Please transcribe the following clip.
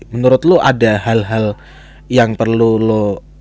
menurut lo ada hal hal yang perlu lo